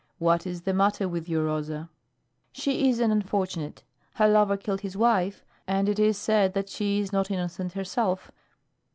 What is the matter with your Rosa?" "She is an unfortunate. Her lover killed his wife, and it is said that she is not innocent herself.